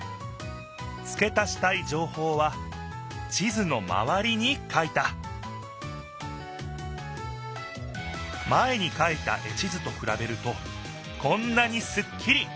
つけ足したいじょうほうは地図のまわりに書いた前に書いた絵地図とくらべるとこんなにすっきり。